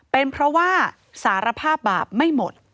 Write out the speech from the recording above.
เป็นเพราะว่าสารภาพบาปไม่หมด